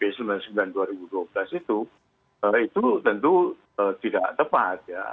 itu tentu tidak tepat ya